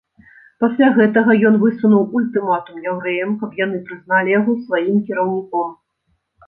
Пасля гэтага ён высунуў ультыматум яўрэям, каб яны прызналі яго сваім кіраўніком.